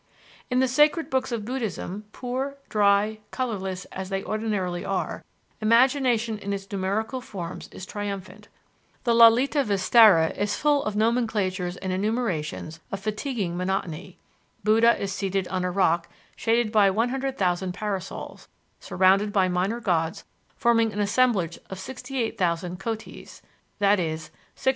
In the sacred books of Buddhism, poor, dry, colorless, as they ordinarily are, imagination in its numerical forms is triumphant. The Lalitavistara is full of nomenclatures and enumerations of fatiguing monotony: Buddha is seated on a rock shaded by 100,000 parasols, surrounded by minor gods forming an assemblage of 68,000 Kotis (i.e.